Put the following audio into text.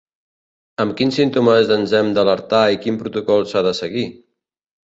Amb quins símptomes ens hem d’alertar i quin protocol s’ha de seguir?